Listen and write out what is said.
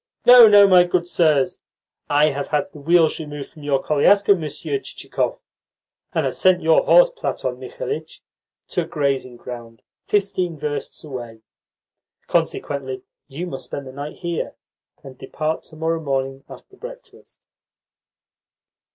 "No, no, my good sirs. I have had the wheels removed from your koliaska, Monsieur Chichikov, and have sent your horse, Platon Mikhalitch, to a grazing ground fifteen versts away. Consequently you must spend the night here, and depart to morrow morning after breakfast."